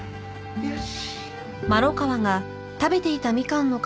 よし！